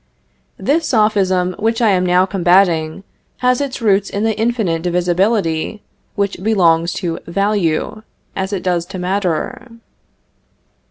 The sophism which I am now combating has its root in the infinite divisibility which belongs to value, as it does to matter.